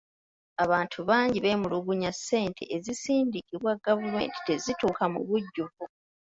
Abantu bangi beemulugunya ssente ezisindikibwa gavumenti tezituuka mu bujjuvu.